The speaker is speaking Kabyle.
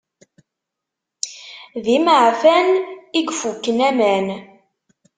D imeɛfan i ifuken aman.